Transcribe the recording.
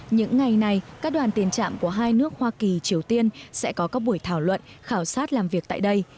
những ngày này các đoàn tiền trạm của hai nước hoa kỳ triều tiên sẽ có các buổi thảo luận khảo sát làm việc tại đây